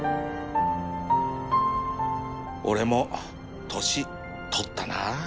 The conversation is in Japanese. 俺も年取ったなあ